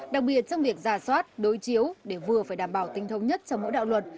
đặc biệt trong việc giả soát đối chiếu để vừa phải đảm bảo tính thống nhất cho mỗi đạo luật